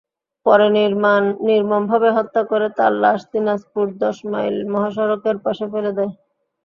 পরে নির্মমভাবে হত্যা করে তার লাশ দিনাজপুর দশমাইল মহাসড়কের পাশে ফেলে দেন।